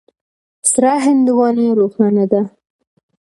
سره هندوانه روښانه ده.